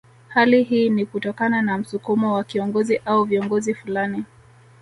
Hali hii ni kutokana na msukumo wa kiongozi au viongozi fulani